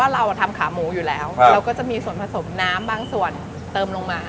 เราทำขาหมูอยู่แล้วเราก็จะมีส่วนผสมน้ำบางส่วนเติมลงมา